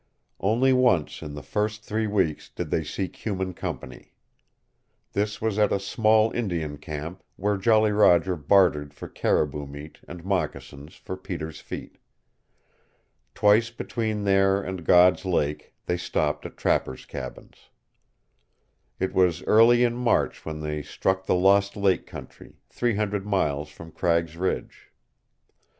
Only once in the first three weeks did they seek human company. This was at a small Indian camp where Jolly Roger bartered for caribou meat and moccasins for Peter's feet. Twice between there and God's Lake they stopped at trappers' cabins. It was early in March when they struck the Lost Lake country, three hundred miles from Cragg's Ridge.